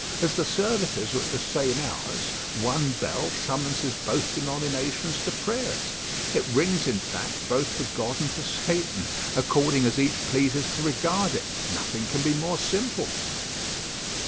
As the services are at the same hours, one bell summonses both denominations to prayers; it rings, in fact, both for God and for Satan, according as each pleases to regard it. Nothing can be more simple.